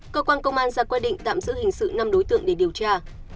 cơ quan công an ra quyết định tạm giữ hình sự năm đối tượng để điều tra